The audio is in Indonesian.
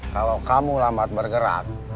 kalau kamu lambat bergerak